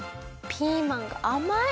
ピーマンがあまい！